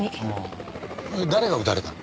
誰が撃たれたの？